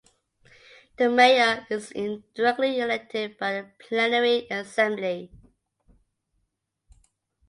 The mayor is indirectly elected by the plenary assembly.